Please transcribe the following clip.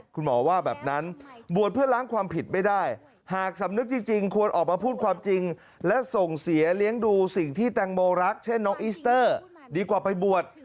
คุณหมอว่าแบบนั้นบวชเพื่อล้างความผิดไม่ได้หากสำนึกจริงควรออกมาพูดความจริงและส่งเสียเลี้ยงดูสิ่งที่แตงโมรักเช่นน้องอิสเตอร์ดีกว่าไปบวช